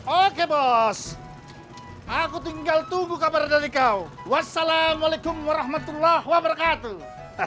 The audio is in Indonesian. oke bos aku tinggal tunggu kabar dari kau wassalamualaikum warahmatullahi wabarakatuh